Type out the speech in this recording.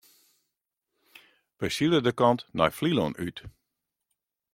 Wy sile de kant nei Flylân út.